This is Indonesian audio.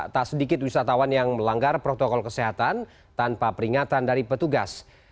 tak sedikit wisatawan yang melanggar protokol kesehatan tanpa peringatan dari petugas